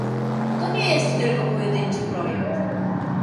To nie jest tylko pojedynczy projekt